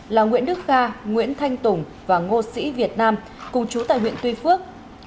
là nguyễn đức kha nguyễn thanh tùng và ngô sĩ việt nam cùng chú tại huyện tuy phước